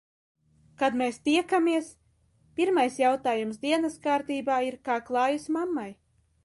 Kad mēs tiekamies, pirmais jautājums dienas kārtībā ir - kā klājas mammai?